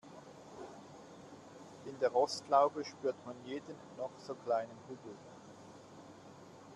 In der Rostlaube spürt man jeden noch so kleinen Hubbel.